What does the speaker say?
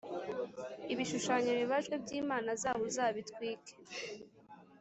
Ibishushanyo bibajwe by’imana zabo uzabitwike.